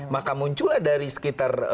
maka muncul dari sekitar